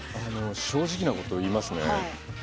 正直なことを言いますね。